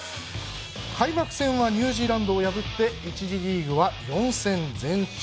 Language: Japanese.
開幕戦はニュージーランドを破り１次リーグは４戦全勝。